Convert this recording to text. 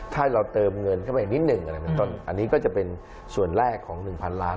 ถ้าเราเติมเงินเข้าไปอีกนิดหนึ่งอันนี้ก็จะเป็นส่วนแรกของ๑๐๐ล้าน